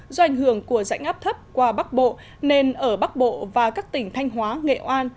do ảnh hưởng của rãnh áp thấp qua bắc bộ nên ở bắc bộ và các tỉnh thanh hóa nghệ an